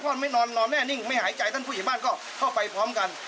ไม่นอนนอนแน่นิ่งไม่หายใจท่านผู้ใหญ่บ้านก็เข้าไปพร้อมกัน